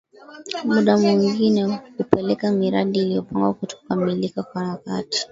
Muda mwengine hupelekea miradi iliyopangwa kutokukamilika kwa wakati